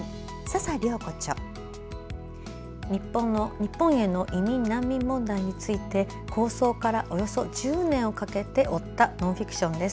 日本への移民・難民問題について構想からおよそ１０年かけて追ったノンフィクションです。